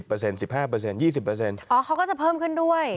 เขาก็จะเพิ่มขึ้นด้วย